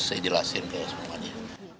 saya jelasin kayak semuanya